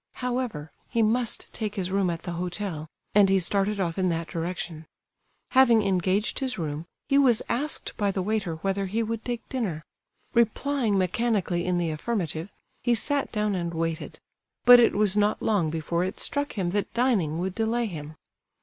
However, he must take his room at the hotel; and he started off in that direction. Having engaged his room, he was asked by the waiter whether he would take dinner; replying mechanically in the affirmative, he sat down and waited; but it was not long before it struck him that dining would delay him.